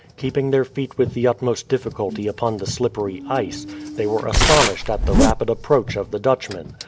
Keeping their feet with the utmost difficulty upon the slippery ice, they were astonished at the rapid approach of the Dutchmen.